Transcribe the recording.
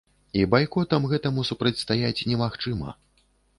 І байкотам гэтаму супрацьстаяць немагчыма.